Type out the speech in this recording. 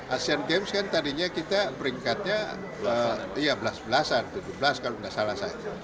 asean games kan tadinya kita peringkatnya belasan tujuh belas kalau nggak salah saja